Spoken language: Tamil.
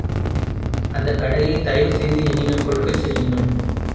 அந்தக் கடையைத் தயவுசெய்து என்னிடம் கொடுக்கச் செய்யுங்கள்.